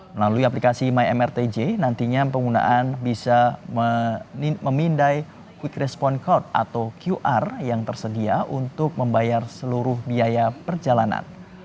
melalui aplikasi my mrtj nantinya penggunaan bisa memindai quick response card atau qr yang tersedia untuk membayar seluruh biaya perjalanan